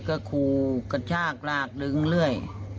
ก็ครูกระชากลากลึงเรื่อย